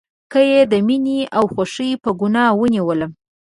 که یې د میینې او خوښۍ په ګناه ونیولم